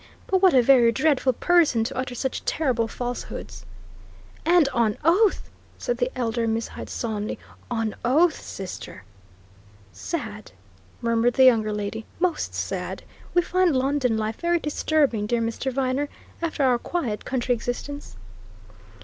But what a very dreadful person to utter such terrible falsehoods!" "And on oath!" said the elder Miss Hyde, solemnly. "On oath, sister!" "Sad!" murmured the younger lady. "Most sad! We find London life very disturbing, dear Mr. Viner, after our quiet country existence."